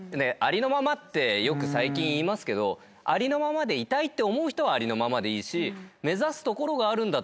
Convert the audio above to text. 「ありのまま」ってよく最近言いますけどありのままでいたいって思う人はありのままでいいし。